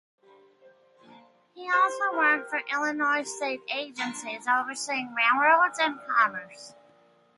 He also worked for Illinois state agencies overseeing railroads and commerce.